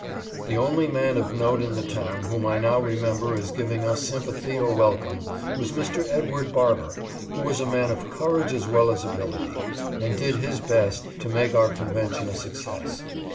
The only man of note in the town whom I now remember as giving us sympathy or welcome was Mr. Edward Barber, who was a man of courage as well as ability, and did his best to make our convention a success.